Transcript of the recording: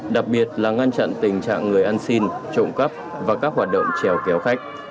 đặc biệt là ngăn chặn tình trạng người ăn xin trộm cắp và các hoạt động treo kéo khách